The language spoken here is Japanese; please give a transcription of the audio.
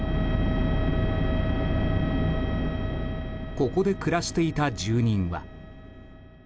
ここで暮らしていた住人は。